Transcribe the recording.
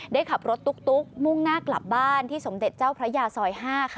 ได้ขับรถตุ๊กมุ่งหน้ากลับบ้านที่สมเด็จเจ้าพระยาซอย๕